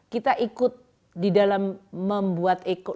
kita ikut di dalam membuat ekonomi dunia